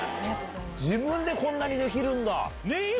自分でこんなにできるんだ。